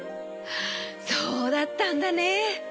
そうだったんだね。